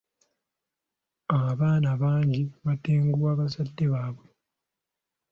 Abaana bangi batenguwa bazadde baabwe.